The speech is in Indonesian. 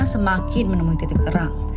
semakin menemui titik terang